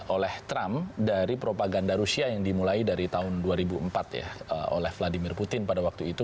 oleh trump dari propaganda rusia yang dimulai dari tahun dua ribu empat ya oleh vladimir putin pada waktu itu